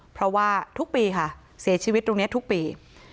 เพราะว่าทุกปีค่ะเสียชีวิตตรงนี้ทุกปี